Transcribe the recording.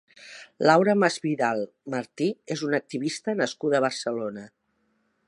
Laura Masvidal Martí és una activista nascuda a Barcelona.